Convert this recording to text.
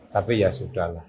tapi ya sudah lah